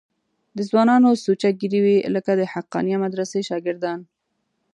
د ځوانانو سوچه ږیرې وې لکه د حقانیه مدرسې شاګردان.